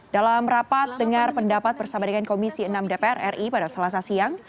dalam rapat dengar pendapat bersama dengan komisi enam dpr ri pada selasa siang